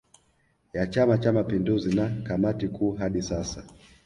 Ya chama cha mapinduzi na kamati kuu hadi sasa